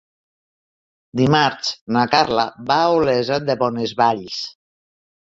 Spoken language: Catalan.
Dimarts na Carla va a Olesa de Bonesvalls.